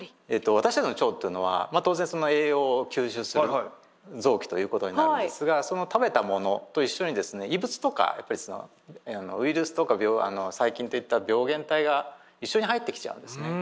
私たちの腸っていうのは当然その栄養を吸収する臓器ということになるんですがその食べたものと一緒にですね異物とかやっぱりウイルスとか細菌といった病原体が一緒に入ってきちゃうんですね。